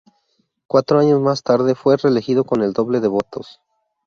Cuatro años más tarde fue reelegido con el doble de votos.